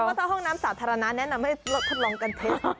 ว่าถ้าห้องน้ำสาธารณะแนะนำให้พวกเขาลองกันเทส